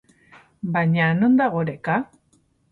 Baina non dago oreka?